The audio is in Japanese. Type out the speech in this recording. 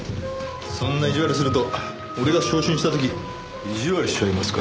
そんな意地悪すると俺が昇進した時意地悪しちゃいますからね。